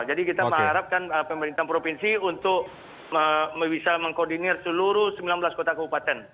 jadi kita mengharapkan pemerintah provinsi untuk bisa mengkoordinir seluruh sembilan belas kota keupatan